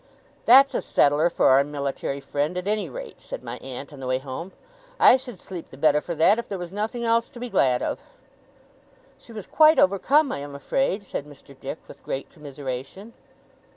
'That's a settler for our military friend, at any rate,' said my aunt, on the way home. 'I should sleep the better for that, if there was nothing else to be glad of!' 'She was quite overcome, I am afraid,' said Mr. Dick, with great commiseration.